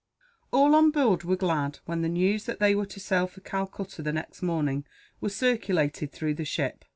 All on board were glad, when the news that they were to sail for Calcutta, the next morning, was circulated through the ship.